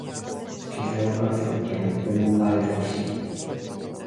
静岡県御前崎市